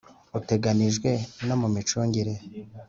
uteganijwe no mu micungire